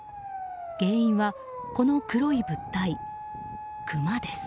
原因はこの黒い物体、クマです。